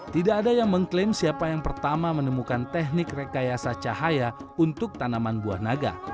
tidak ada yang mengklaim siapa yang pertama menemukan teknik rekayasa cahaya untuk tanaman buah naga